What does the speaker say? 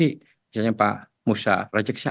misalnya pak musa rajaksah